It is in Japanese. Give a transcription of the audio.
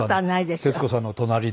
徹子さんの隣で。